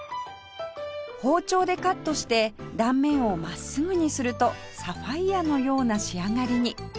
包丁でカットして断面を真っすぐにするとサファイアのような仕上がりに